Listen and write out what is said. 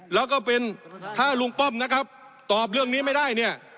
แล้วก็เป็นถ้าลุงป้อมนะครับตอบเรื่องนี้ไม่ได้เนี่ย